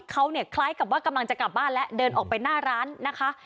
เขาเนี่ยคล้ายกับว่ากำลังจะกลับบ้านแล้วเดินออกไปหน้าร้านนะคะ